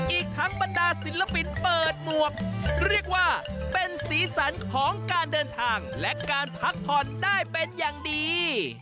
อีกทั้งบรรดาศิลปินเปิดหมวกเรียกว่าเป็นสีสันของการเดินทางและการพักผ่อนได้เป็นอย่างดี